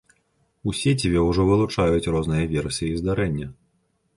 У сеціве ўжо вылучаюць розныя версіі здарэння.